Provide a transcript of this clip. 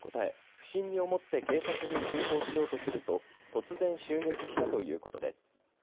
不審に思って警察に通報しようとすると突然襲撃したということです。